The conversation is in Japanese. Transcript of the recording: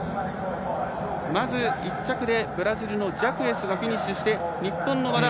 まず１着でブラジルのジャクエスがフィニッシュして日本の和田。